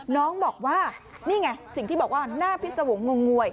น้องบอกว่านี่ไงสิ่งที่บอกว่าหน้าพิษวงศงงวย